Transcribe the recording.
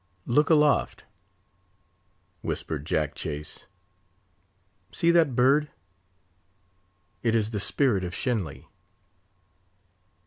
"Look aloft," whispered Jack Chase. "See that bird! it is the spirit of Shenly."